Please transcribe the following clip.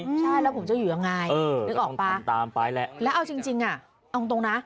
ใช่แล้วผมจะอยู่ยังไงนึกออกป่ะแล้วเอาจริงอ่ะเอาตรงนะ